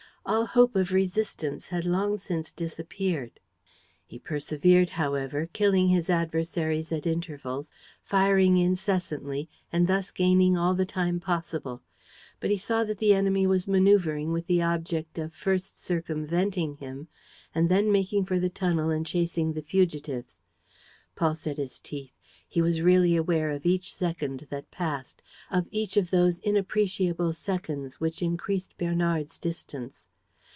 All hope of resistance had long since disappeared. He persevered, however, killing his adversaries at intervals, firing incessantly and thus gaining all the time possible. But he saw that the enemy was maneuvering with the object of first circumventing him and then making for the tunnel and chasing the fugitives. Paul set his teeth. He was really aware of each second that passed, of each of those inappreciable seconds which increased Bernard's distance.